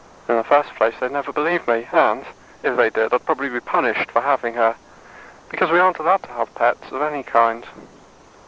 In the first place, they'd never believe me. And, if they did, I'd probably be punished for having her. Because we aren't allowed to have pets of any kind.